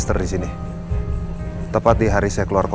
terima kasih pak